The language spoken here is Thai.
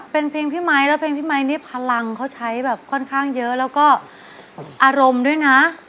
เป็นเพลงพี่ไมค์แล้วเพลงพี่ไมค์นี่พลังเขาใช้แบบค่อนข้างเยอะแล้วก็อารมณ์ด้วยนะ